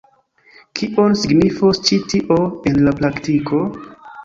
Kion signifos ĉi tio en la praktiko?